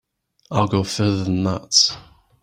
I'll go further than that.